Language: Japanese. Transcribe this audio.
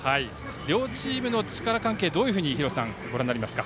両チームの力関係はどうご覧になりますか？